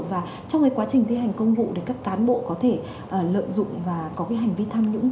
và trong cái quá trình thi hành công vụ để các cán bộ có thể lợi dụng và có cái hành vi tham nhũng